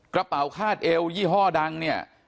กระเป๋าคาดเอวยี่ห้อดังเนี่ย